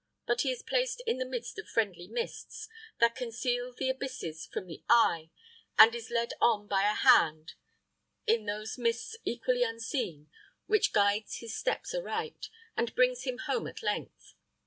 But he is placed in the midst of friendly mists, that conceal the abysses from his eye, and is led on by a hand in those mists equally unseen which guides his steps aright, and brings him home at length.